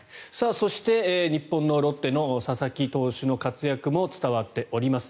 そして日本の佐々木朗希投手の活躍も伝わっております。